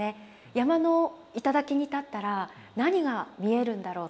山の頂に立ったら何が見えるんだろう